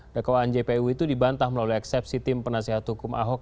dakwaan jpu itu dibantah melalui eksepsi tim penasehat hukum ahok